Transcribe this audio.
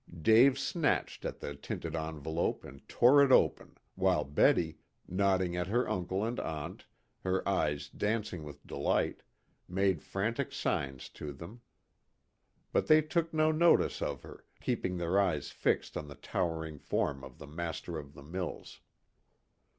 Dave snatched at the tinted envelope and tore it open, while Betty, nodding at her uncle and aunt, her eyes dancing with delight, made frantic signs to them. But they took no notice of her, keeping their eyes fixed on the towering form of the master of the mills.